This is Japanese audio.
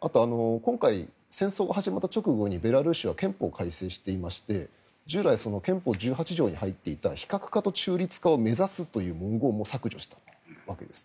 あと今回、戦争が始まった直後にベラルーシは憲法を改正していまして従来、憲法１８条に入っていた非核化と中立化を目指すという文言も削除したわけです。